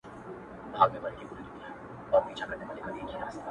که څه هم په ظاهرکي د دې خلاف مشهور دی.